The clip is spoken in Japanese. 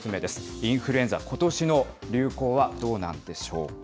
インフルエンザ、ことしの流行はどうなんでしょうか。